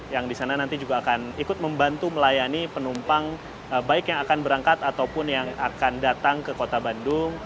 yang di sana nanti juga akan ikut membantu melayani penumpang baik yang akan berangkat ataupun yang akan datang ke kota bandung